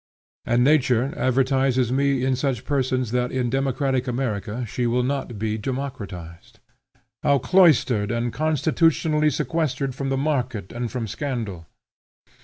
And nature advertises me in such persons that in democratic America she will not be democratized. How cloistered and constitutionally sequestered from the market and from scandal!